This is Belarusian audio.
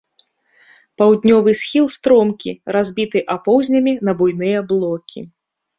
Паўднёвы схіл стромкі, разбіты апоўзнямі на буйныя блокі.